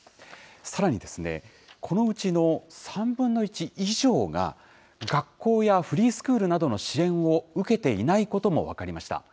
さらに、このうちの３分の１以上が、学校やフリースクールなどの支援を受けていないことも分かりました。